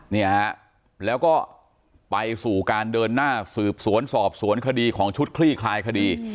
เนี่ยฮะแล้วก็ไปสู่การเดินหน้าสืบสวนสอบสวนคดีของชุดคลี่คลายคดี